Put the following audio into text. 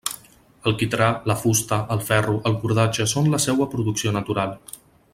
El quitrà, la fusta, el ferro, el cordatge són la seua producció natural.